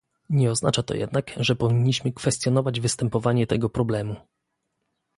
Nie oznacza to jednak, że powinniśmy kwestionować występowanie tego problemu